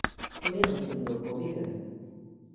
ᱩᱱᱤᱭᱟᱜ ᱧᱩᱛᱩᱢ ᱫᱚ ᱠᱚᱰᱤ ᱠᱟᱱᱟ᱾